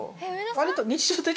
割と。